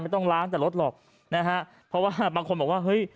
ต้องล้างแต่รถหรอกนะฮะเพราะว่าบางคนบอกว่าเฮ้ย